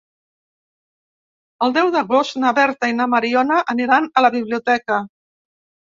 El deu d'agost na Berta i na Mariona aniran a la biblioteca.